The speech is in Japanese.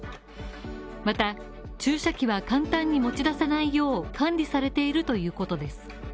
また、注射器は簡単に持ち出さないよう、管理されているということです。